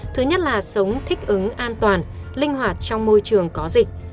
thứ nhất là sống thích ứng an toàn linh hoạt trong môi trường có dịch